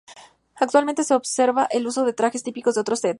Actualmente se observa el uso de trajes típicos de otros etnias.